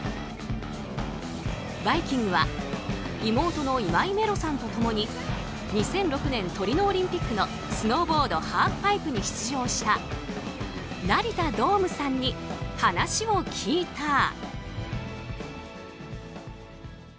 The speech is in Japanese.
「バイキング」は妹の今井メロさんと共に２００６年トリノオリンピックのスノーボード・ハーフパイプに出場した成田童夢さんに話を聞いた。